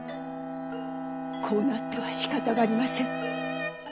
こうなってはしかたがありません。